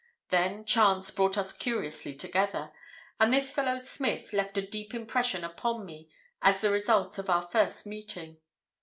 Then chance brought us curiously together, and this fellow Smith left a deep impression upon me as the result of our first meeting.